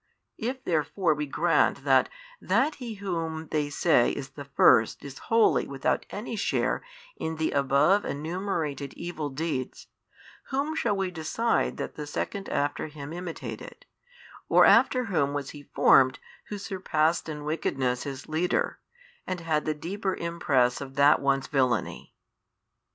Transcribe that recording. If therefore we grant that that he whom they say is the first is wholly without any share in the above enumerated evil deeds, whom shall we decide that the second after him imitated, or after whom was he formed who surpassed in wickedness his leader, and had the deeper impress of that one's villainy?